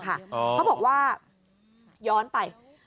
เขาบอกว่าย้อนไป